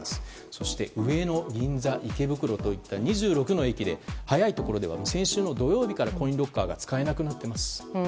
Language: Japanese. そして上野、銀座、池袋といった２６の駅で早いところでは先週の土曜日からコインロッカーが使えなくなっています。